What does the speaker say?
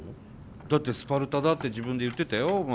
だってスパルタだって自分で言ってたよママ。